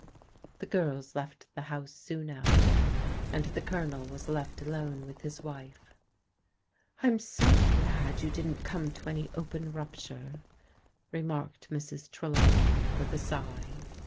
The girls left the house soon after, and the Colonel was left alone with his wife. " I'm so glad you didn't come to any open rupture," remarked Mrs. Trelawney, with a sigh.